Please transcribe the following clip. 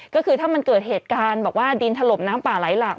ก็คือถ้ามันเกิดเหตุการณ์บอกว่าดินถล่มน้ำป่าไหลหลาก